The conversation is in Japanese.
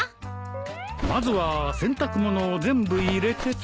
まずは洗濯物を全部入れてと。